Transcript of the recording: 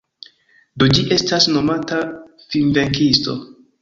Do ĝi estas nomata Finvenkisto.